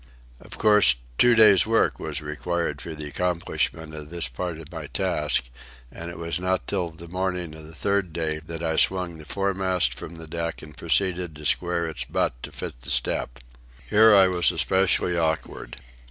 Of course, two days' work was required for the accomplishment of this part of my task, and it was not till the morning of the third day that I swung the foremast from the deck and proceeded to square its butt to fit the step. Here I was especially awkward.